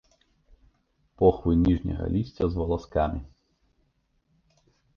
Похвы ніжняга лісця з валаскамі.